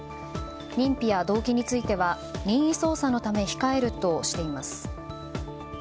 認否や動機は、任意捜査のため控えるとしています。